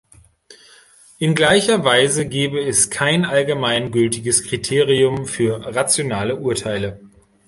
In gleicher Weise gäbe es kein allgemein gültiges Kriterium für rationale Urteile.